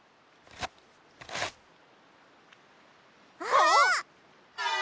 あっ！